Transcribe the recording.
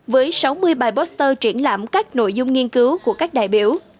với sáu mươi bài poster triển lãm các nội dung nghiên cứu của các đại biểu